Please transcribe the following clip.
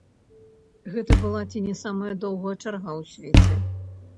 Гэта была ці не самая доўгая чарга ў свеце.